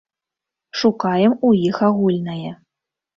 Шукаем у іх агульнае.